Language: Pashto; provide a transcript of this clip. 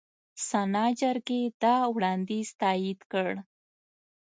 سنا جرګې دا وړاندیز تایید کړ.